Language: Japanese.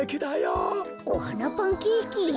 おはなパンケーキ？